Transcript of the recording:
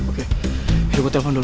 oke gue bawa telfon dulu